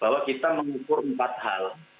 bahwa kita mengukur empat hal